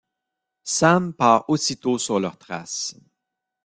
Sam part aussitôt sur leurs traces.